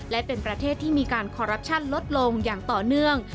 และเป็นประเทศที่มีการคอรัปชั่นลดลงอย่างต่อเนื่อง